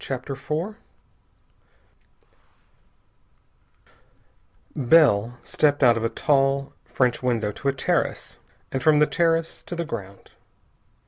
CHAPTER IV Bell stepped out of a tall French window to a terrace, and from the terrace to the ground.